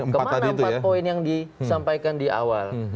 ke mana empat poin yang disampaikan di awal